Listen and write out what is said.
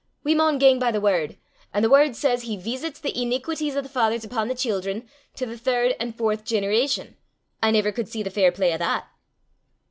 "We maun gang by the word; an' the word says he veesits the ineequities o' the fathers upo' the children to the third an' fourth generation: I never could see the fair play o' that!"